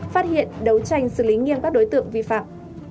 phát hiện đấu tranh xử lý nghiêm các đối tượng vi phạm